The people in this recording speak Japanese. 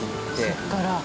そこから。